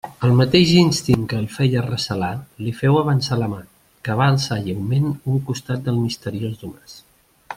El mateix instint que el feia recelar li féu avançar la mà, que va alçar lleument un costat del misteriós domàs.